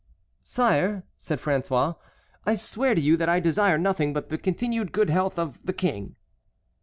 "Sire," said François, "I swear to you that I desire nothing but the continued good health of the King."